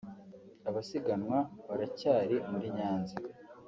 Abasiganwa baracyari muri Nyanza